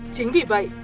chính vì vậy